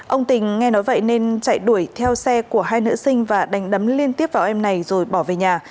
ông tình nghe nói vậy nên chạy đuổi theo xe của hai nữ sinh và đánh đấm liên tiếp vào em này rồi bỏ về nhà